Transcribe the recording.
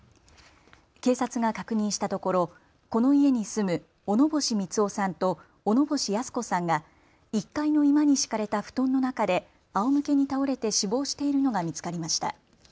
警察が確認したところ、この家に住む小野星三男さんと小野星泰子さんが１階の居間に敷かれた布団の中であおむけに倒れて死亡しているのが見つかりました。